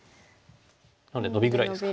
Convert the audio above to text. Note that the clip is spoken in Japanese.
なんでノビぐらいですか。